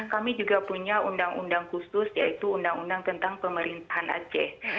kami juga punya undang undang khusus yaitu undang undang tentang pemerintahan aceh